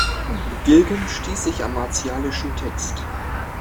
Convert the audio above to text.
Gilgen stiess sich am martialischen Text.